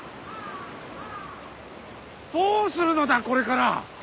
どうするのだこれから。